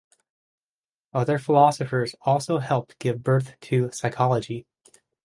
Other philosophers also helped give birth to psychology.